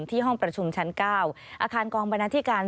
ห้องประชุมชั้น๙อาคารกองบรรณาธิการ